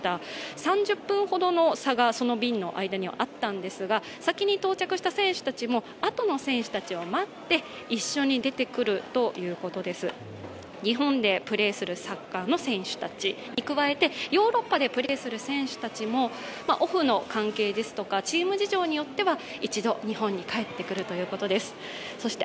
３０分ほどの差がその便にはあったんですが先に到着した選手たちも、あとの選手たちを待って日本でプレーするサッカーの選手たちに加えて、ヨーロッパでプレーする選手たちも、オフの関係ですとかチーム事情によっては、一度、日本に帰ってくるということです。